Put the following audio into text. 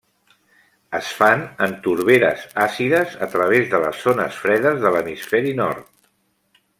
Es fan en torberes àcides a través de les zones fredes de l'hemisferi nord.